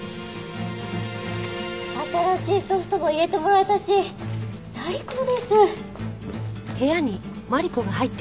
新しいソフトも入れてもらえたし最高です！